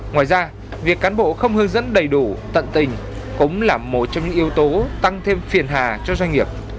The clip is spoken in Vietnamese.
ngoài ra việc cán bộ không hướng dẫn đầy đủ tận tình cũng là một trong những yếu tố tăng thêm phiền hà cho doanh nghiệp